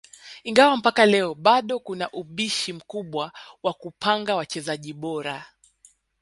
Ingawa mpaka leo bado kuna ubishi mkubwa wa kupanga wachezaji bora